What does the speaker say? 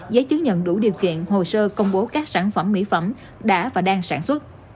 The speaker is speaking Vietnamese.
giấy chứng nhận đủ điều kiện hồ sơ công bố các sản phẩm mỹ phẩm đã và đang sản xuất